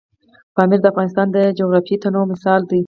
پامیر د افغانستان د جغرافیوي تنوع مثال دی.